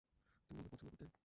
তুমি ওকে পছন্দ করতে?